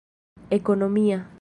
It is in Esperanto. ekonomia